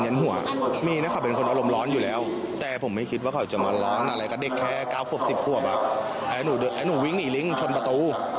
นายแต่หนูวิ่งหนี่ริ้งฉลนประตู